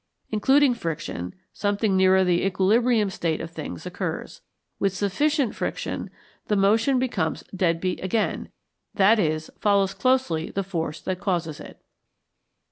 Including friction, something nearer the equilibrium state of things occurs. With sufficient friction the motion becomes dead beat again, i.e. follows closely the force that causes it.